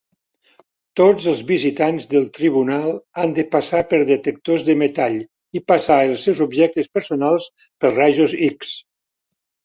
Tots els visitants del tribunal han de passar per detectors de metall i passar els seus objectes personals pels rajos X.